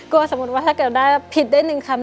สมมุติว่าถ้าเกิดได้ผิดได้๑คำ